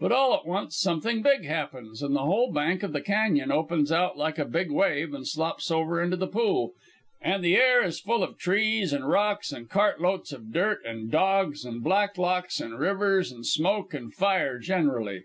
But all at once something big happens, an' the whole bank of the cañon opens out like a big wave, and slops over into the pool, an' the air is full of trees an' rocks and cart loads of dirt an' dogs and Blacklocks and rivers an' smoke an' fire generally.